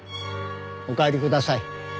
お帰りください。